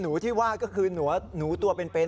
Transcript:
หนูที่ว่าหนูตัวเป็นเป็น